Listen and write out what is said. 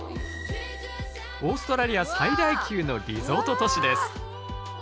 オーストラリア最大級のリゾート都市です。